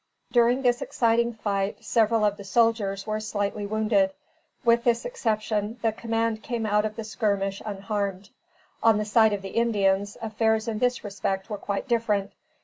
During this exciting fight, several of the soldiers were slightly wounded. With this exception, the command came out of the skirmish unharmed. On the side of the Indians, affairs in this respect were quite different.